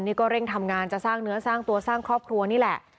นี่ก็เร่งทำงานจะสร้างเนื้อสร้างตัวสร้างครอบครัวนี่แหละ